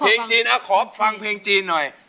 เพลงจีนอ่ะขอฟังเพลงจีนหน่อย